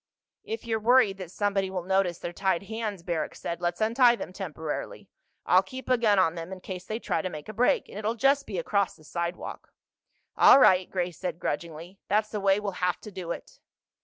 "If you're worried that somebody will notice their tied hands," Barrack said, "let's untie them temporarily. I'll keep a gun on them, in case they try to make a break. And it'll just be across the sidewalk." "All right," Grace said grudgingly. "That's the way we'll have to do it."